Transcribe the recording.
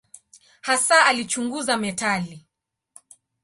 Hasa alichunguza metali.